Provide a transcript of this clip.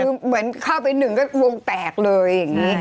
คือเหมือนเข้าไปหนึ่งก็วงแตกเลยอย่างนี้